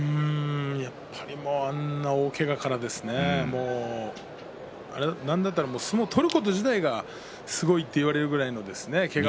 やっぱりあんな大けがからなんだったら相撲を取ること自体がすごいと言われるぐらいのけがを。